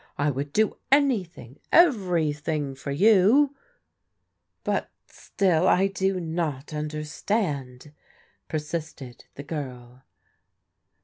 I would do anything, everything for you !" But still I do not understand," persisted the girl.